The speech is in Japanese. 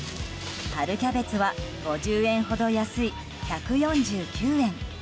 春キャベツは５０円ほど安い１４９円。